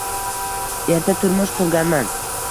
Erta turmush qurganman